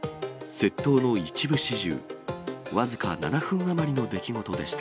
窃盗の一部始終、僅か７分余りの出来事でした。